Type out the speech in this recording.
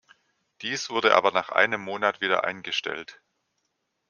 Dies wurde aber nach einem Monat wieder eingestellt.